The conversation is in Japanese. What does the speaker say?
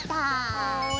はい。